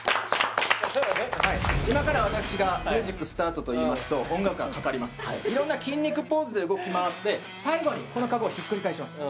今から私がミュージックスタートと言いますと音楽がかかります色んな筋肉ポーズで動き回って最後にこのカゴをひっくり返します